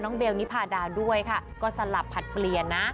เบลนิพาดาด้วยค่ะก็สลับผลัดเปลี่ยนนะ